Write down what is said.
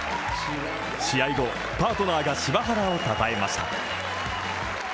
試合後、パートナーが柴原をたたえました。